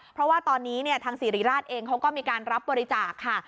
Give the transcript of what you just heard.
เพราะว่าตอนนี้ทางสิริราชเองเขาก็มีการรับบริจาคค่ะ